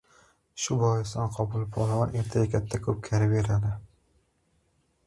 Shu boisdan qobil polvon ertaga katta ko‘pkari beradi! Armonda qolma!